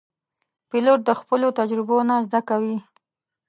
پیلوټ د خپلو تجربو نه زده کوي.